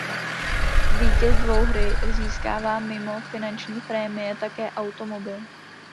Vítěz dvouhry získává mimo finanční prémie také automobil.